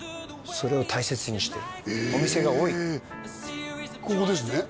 それを大切にしてるお店が多いここですね？